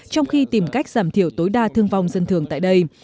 trong khi tìm cách giảm thiểu tối đa thương vong dân thường tại đây